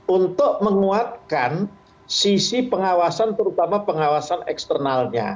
untuk menguatkan sisi pengawasan terutama pengawasan eksternalnya